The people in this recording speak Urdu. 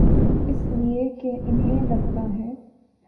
اس لئے کہ انہیں لگتا ہے۔